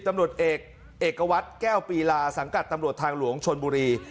ตำรวจเอกเอกวัตรแก้วปีลาสังกัดตำรวจทางหลวงชนบุรี